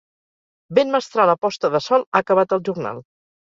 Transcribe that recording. Vent mestral a posta de sol ha acabat el jornal.